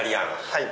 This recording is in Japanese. はい。